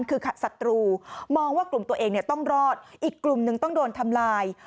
คือศัตรูมองว่ากลุ่มตัวเองต้องรอดอีกกลุ่มหนึ่งต้องโดนทำลาย